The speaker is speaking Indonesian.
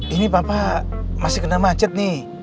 ini bapak masih kena macet nih